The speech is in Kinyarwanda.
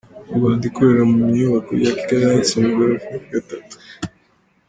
Mu Rwanda ikorera mu nyubako ya Kigali Heights, mu igorofa ya gatatu.